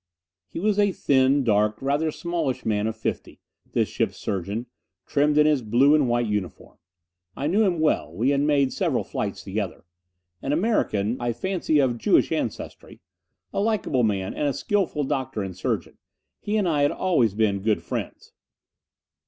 He was a thin, dark, rather smallish man of fifty, this ship's surgeon, trim in his blue and white uniform. I knew him well: we had made several flights together. An American I fancy of Jewish ancestry. A likable man, and a skillful doctor and surgeon. He and I had always been good friends.